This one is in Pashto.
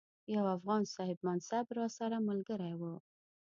یو افغان صاحب منصب راسره ملګری وو.